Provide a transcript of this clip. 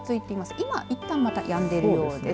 今、いったんやんでいるようです。